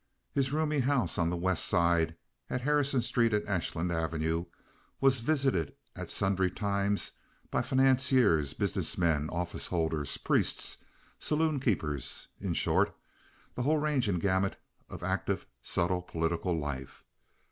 His roomy house on the West Side, at Harrison Street and Ashland Avenue, was visited at sundry times by financiers, business men, office holders, priests, saloon keepers—in short, the whole range and gamut of active, subtle, political life.